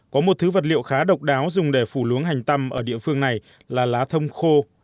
có một thứ vật liệu khá độc đáo dùng để phủ luống hành tăm ở địa phương này là lá thông khô